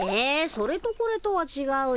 それとこれとはちがうよ。